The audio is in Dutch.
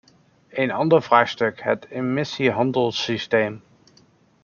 Een ander vraagstuk het emissiehandelssysteem.